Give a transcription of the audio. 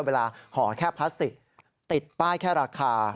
ห่อแค่พลาสติกติดป้ายแค่ราคา